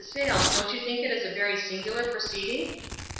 Sayles, don't you think it is a very singu lar proceeding?